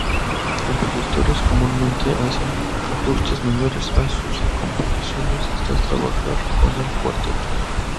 Compositores comúnmente hacen ajustes menores a sus composiciones tras trabajar con el cuarteto.